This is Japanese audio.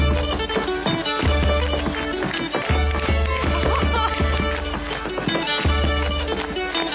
アハハハ！